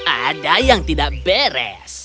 ada yang tidak beres